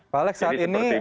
pak alek saat ini